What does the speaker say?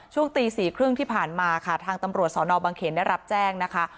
ช่วงตี๔๓๐ที่ผ่านมาค่ะทางตำรวจสอนอบังเขนได้รับแจ้งนะคะ